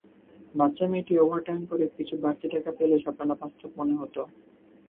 বাচ্চামেয়েটি overtime করে কিছু বাড়তি টাকা পেলে স্বপ্নটা সম্ভব মনে হতো।